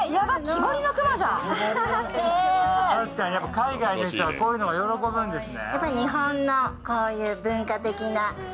海外の人はこういうのが喜ぶんですね。